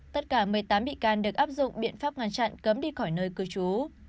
tất cả một mươi tám bị can được áp dụng biện pháp ngăn chặn cấm đi khỏi nơi cư trú